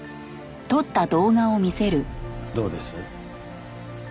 どうです？